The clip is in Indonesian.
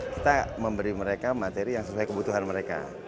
kita memberi mereka materi yang sesuai kebutuhan mereka